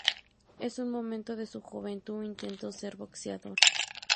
En un momento de su juventud, intentó ser boxeador.